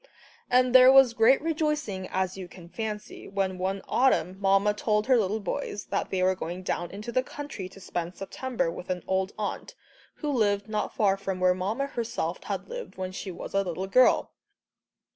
And there was great rejoicing, as you can fancy, when one autumn Mamma told her little boys that they were going down into the country to spend September with an old aunt, who lived not far from where Mamma herself had lived when she "was a little girl."